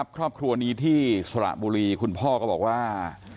ครอบครัวนี้ที่สระบุรีคุณพ่อก็บอกว่า